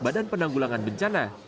badan penanggulangan bencana